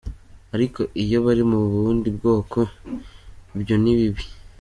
"Ariko iyo bari mu bundi bwoko, ibyo ni bibi.